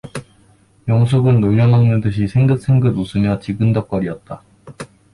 영숙은 놀려먹는 듯이 생긋생긋 웃으면서 지근덕거리었다.